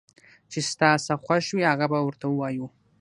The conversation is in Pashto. چې ستا څه خوښ وي هغه به ورته ووايو